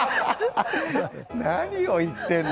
何を言ってるの？